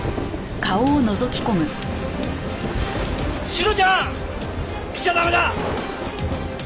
志乃ちゃん来ちゃ駄目だ！